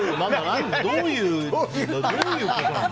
どういうことなの。